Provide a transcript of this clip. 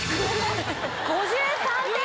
５３点。